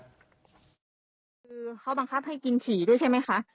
คือเขาบังคับให้กินฉี่ด้วยใช่ไหมคะ